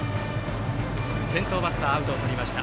先頭バッターアウトをとりました。